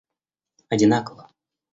одинаково